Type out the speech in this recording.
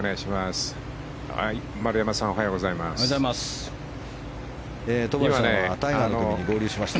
丸山さんおはようございます。